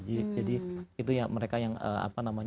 jadi itu ya mereka yang apa namanya